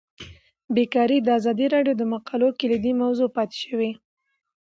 بیکاري د ازادي راډیو د مقالو کلیدي موضوع پاتې شوی.